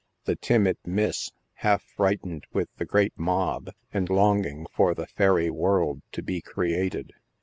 The timid Miss, half frightened with the great mob and longing for the fairy world to be created.